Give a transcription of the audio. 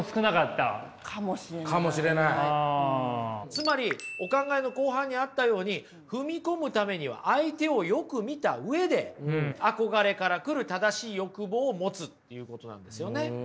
つまりお考えの後半にあったように踏み込むためには相手をよく見た上で憧れから来る正しい欲望を持つっていうことなんですよね。